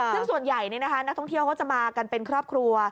ซึ่งส่วนใหญ่นักท่องเที่ยวเขาจะมากันเป็นครอบครัว